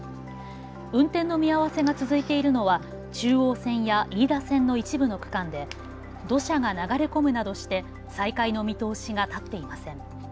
運転の見合わせが続いているのは中央線や飯田線の一部の区間で土砂が流れ込むなどして再開の見通しが立っていません。